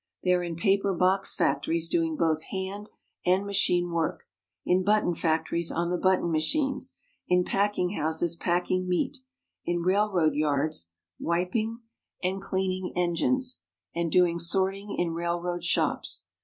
They are in paper box factories doing both hand and machine work, in button factories on the button machines, in packing houses packing meat, in railroad yards wiping and 18 WOMEN OF ACHIEVEMENT cleaning engines, and doing sorting in rail road shops.